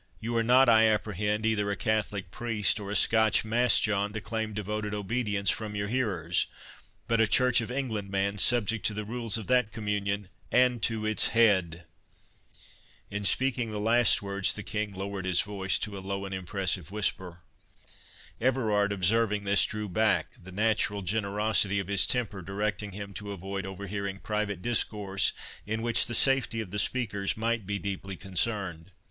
You are not, I apprehend, either a Catholic priest or a Scotch Mass John to claim devoted obedience from your hearers, but a Church of England man, subject to the rules of that Communion—and to its HEAD." In speaking the last words, the King lowered his voice to a low and impressive whisper. Everard observing this drew back, the natural generosity of his temper directing him to avoid overhearing private discourse, in which the safety of the speakers might be deeply concerned.